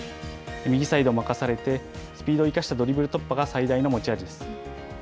右サイドを任されて、スピードを生かしたドリブル突破が最大の持ち味です。